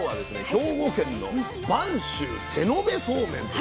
兵庫県の播州手延べそうめんと。